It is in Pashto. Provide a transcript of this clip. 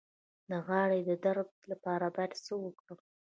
د غاړې د درد لپاره باید څه وکړم؟